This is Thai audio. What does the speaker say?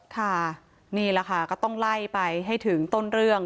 ค่ะนี่แหละค่ะก็ต้องไล่ไปให้ถึงต้นเรื่อง